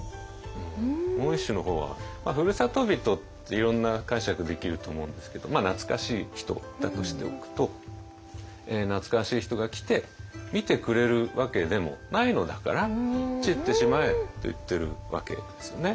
もう一首の方は「ふる里人」っていろんな解釈できると思うんですけどまあ懐かしい人だとしておくと「懐かしい人が来て見てくれるわけでもないのだから散ってしまえ」と言ってるわけですよね。